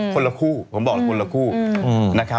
คนละคู่ผมบอกละคนละคู่นะครับ